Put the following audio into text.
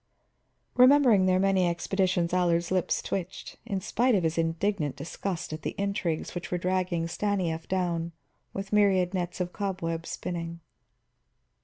Remembering their many expeditions Allard's lips twitched, in spite of his indignant disgust at the intrigues which were dragging Stanief down with myriad nets of cobweb spinning.